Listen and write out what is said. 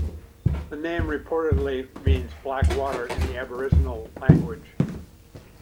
The name reportedly means "Black water" in the aboriginal language.